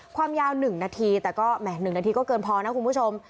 ความยาว๑นาทีแต่ก็แหม๑นาทีก็เกินพอนะคุณผู้ชม